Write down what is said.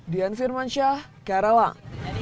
dian firman syah karawang